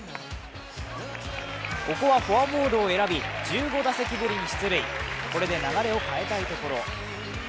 ここはフォアボールを選び１５打席ぶりに出塁、これで流れを変えたいところ。